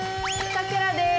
さくらです！